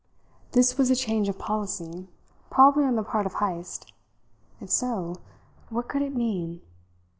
This was a change of policy, probably on the part of Heyst. If so, what could it mean?